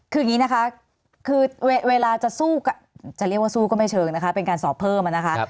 คืออย่างนี้นะคะคือเวลาจะสู้จะเรียกว่าสู้ก็ไม่เชิงนะคะเป็นการสอบเพิ่มนะคะ